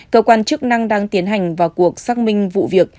cơ quan chức năng đang tiến hành vào cuộc xác minh vụ việc